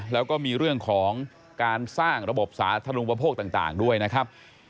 แล้วก็มีเรื่องของการสร้างระบบสาธารณูปโภคต่างด้วยนะครับ